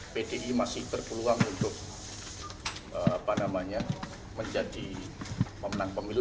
pdi masih berpeluang untuk menjadi pemenang pemilu dua ribu sembilan belas